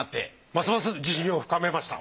ますます自信を深めました。